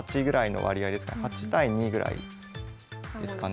８対２ぐらいですかね。